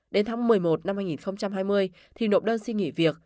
đến tháng một mươi một năm hai nghìn hai mươi thì nộp đơn xin nghỉ việc